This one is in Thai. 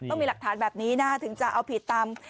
ต้องมีหลักฐานแบบนี้นะถึงจะเอาผิดตาม